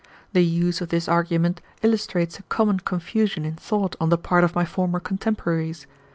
The use of this argument illustrates a common confusion in thought on the part of my former contemporaries.